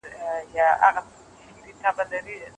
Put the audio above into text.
ماشوم او انا په رډو سترگو یوه بل ته کتل.